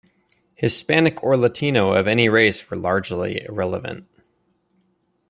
Hispanic or Latino of any race were largely irrelevant.